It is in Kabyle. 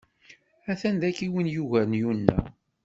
A-t-an dagi win yugaren Yuna.